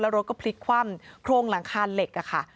แล้วรถก็พลิกความโครงหลังคาเหล็ก